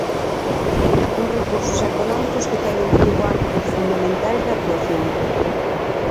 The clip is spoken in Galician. Uns recursos económicos que teñen cinco ámbitos fundamentais de actuación.